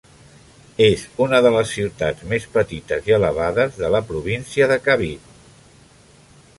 És una de les ciutats més petites i elevades de la província de Cavite.